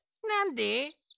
なんで？